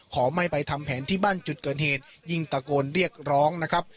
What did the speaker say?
ขอไม่ไปทำแผนที่บ้านจุดเกิดเหตุยิ่งตะโกนเรียกร้องนะครับ